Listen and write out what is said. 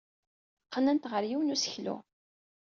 Qqnent-t ɣer yiwen n useklu.